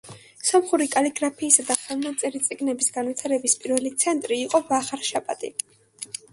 სომხური კალიგრაფიისა და ხელნაწერი წიგნების განვითარების პირველი ცენტრი იყო ვაღარშაპატი.